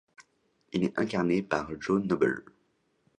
Il est incarné par John Noble.